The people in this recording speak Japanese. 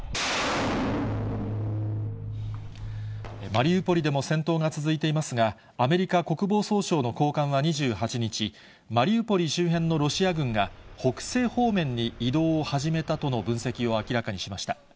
マリウポリでも戦闘が続いていますが、アメリカ国防総省の高官は２８日、マリウポリ周辺のロシア軍が、北西方面に移動を始めたとの分析を明らかにしました。